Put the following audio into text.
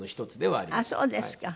あっそうですか。